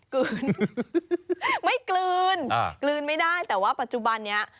กลืนไม่กลืนกลืนไม่ได้แต่ว่าปัจจุบันนี้